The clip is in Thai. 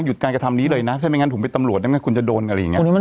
การกระทำนี้เลยนะถ้าไม่งั้นผมเป็นตำรวจได้ไหมคุณจะโดนอะไรอย่างนี้